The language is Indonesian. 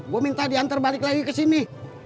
gue minta diantar balik lagi kesini